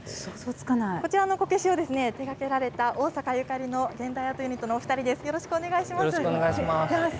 こちらのこけしを手がけられた、大阪ゆかりの現代アートユニットのお２人です。